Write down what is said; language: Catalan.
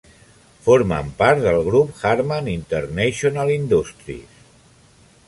Formen part del grup Harman International Industries.